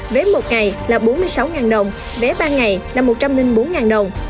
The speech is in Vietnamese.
vé một ngày là bốn mươi sáu đồng vé ba ngày là một trăm linh bốn đồng